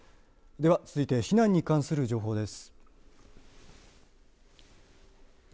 では続いて避難に関する情報です。